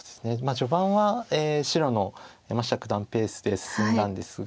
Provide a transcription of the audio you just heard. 序盤は白の山下九段ペースで進んだんですが。